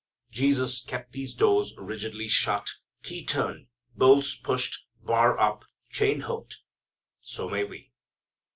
Jesus kept these doors rigidly shut, key turned, bolts pushed, bar up, chain hooked. So may we.